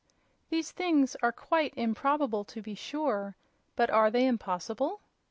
These things are quite improbable, to be sure; but are they impossible?